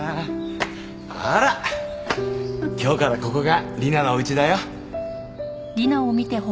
ほら今日からここが理奈のお家だよ。